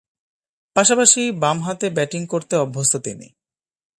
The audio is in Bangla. পাশাপাশি বামহাতে ব্যাটিং করতে অভ্যস্ত তিনি।